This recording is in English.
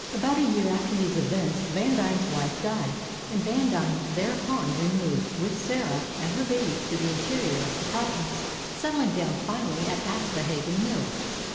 About a year after these events Vandine's wife died, and Vandine thereupon removed, with Sarah and her baby, to the interior of the province, settling down finally at Aspohegan Mills.